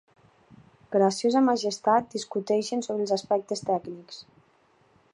Graciosa Majestat discuteixen sobre els aspectes tècnics.